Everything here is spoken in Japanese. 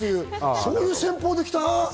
そういう戦法できた？